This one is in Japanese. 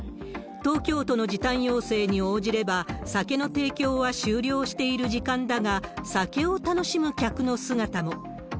東京都の時短要請に応じれば酒の提供は終了している時間だが、酒を楽しむ客の姿も。